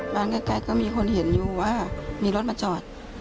ใกล้ก็มีคนเห็นอยู่ว่ามีรถมาจอด